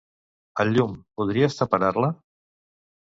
El llum, podries temperar-la?